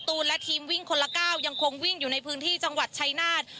และทีมวิ่งคนละ๙ยังคงวิ่งอยู่ในพื้นที่จังหวัดชายนาฏ